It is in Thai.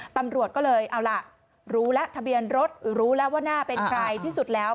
ตำรวจก็เลยเอาล่ะรู้แล้วทะเบียนรถรู้แล้วว่าหน้าเป็นใครที่สุดแล้ว